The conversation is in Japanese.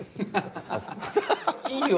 いいよ